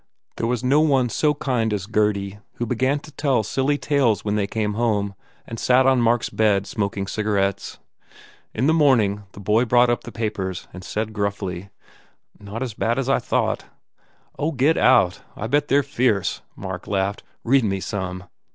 There was no one so kind as Gurdy who began to tell silly tales when they came home and sat on Mark s bed smoking cigarettes. In the morning the boy brought up the papers and said gruffly, "Not as bad as I thought " "Oh, get out! I bet they re fierce," Mark laughed, "Read me some."